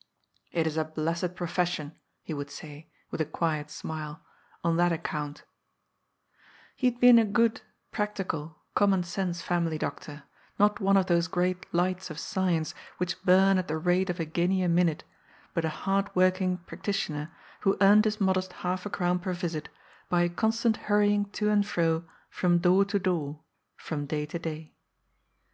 ^' It is a blessed profession," he would say, with a quiet smile, ^' on that account" He had been a good, practical, common sense family doctor, not one of those great lights of science which bum at the rate of a guinea a minute, but a hard working practi tioner who earned his modest half a crown per visit by a constant hurrying to and fro from door to door from day to day.